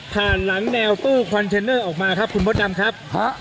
หลังแนวตู้คอนเทนเนอร์ออกมาครับคุณมดดำครับ